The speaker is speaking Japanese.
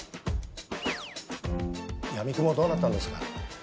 やみくもどうなったんですか？